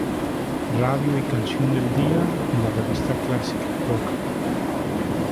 Radio y canción del día en la revista Classic Rock.